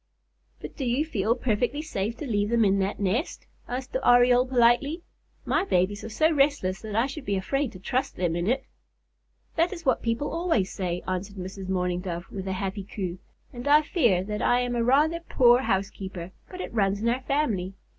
"But do you feel perfectly safe to leave them in that nest?" asked the Oriole politely. "My babies are so restless that I should be afraid to trust them in it." "That is what people always say," answered Mrs. Mourning Dove, with a happy coo, "and I fear that I am a rather poor housekeeper, but it runs in our family. Mr.